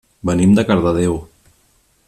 Venim de Cardedeu.